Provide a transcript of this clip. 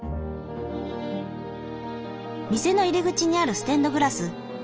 店の入り口にあるステンドグラス。